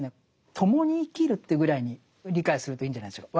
共に生きるというぐらいに理解するといいんじゃないでしょうか。